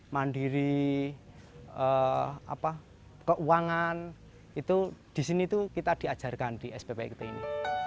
mandiri keuangan itu di sini kita diajarkan di spp kt ini